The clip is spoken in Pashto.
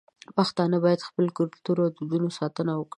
پښتانه بايد د خپل کلتور او دودونو ساتنه وکړي.